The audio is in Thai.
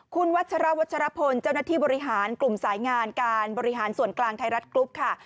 คุณวัชราวัชรพลเจ้าหน้าที่บริหารกลุ่มสายงานการบริหารส่วนกลางไทยรัฐกรุ๊ปค่ะ